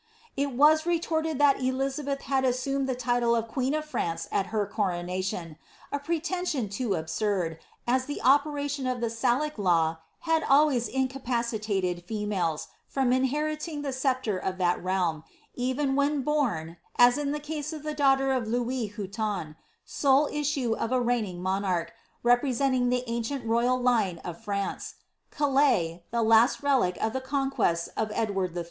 ]t was retorted that Eliiabelli had assumed the title of qaeen of Franca at her coronation — a pretension too absurd, as Ihe operation uf the Sdic law'had always ineapacilalcd feroalee, from inheriting the sceptre of that lealm, even when bom (as in the case of the daughter of Lonis Hutin) iola issue of a reigning monarch, representing the ancient royal line of Prance. Calais, the lasi relic of the conquests of Edward III.